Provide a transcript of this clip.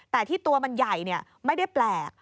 แต่ที่ตัวมันใหญ่ไม่ได้แปลก